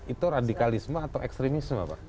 itu radikalisme atau ekstremisme pak